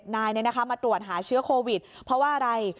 นายมาตรวจหาเชื้อโควิดเพราะว่าอะไร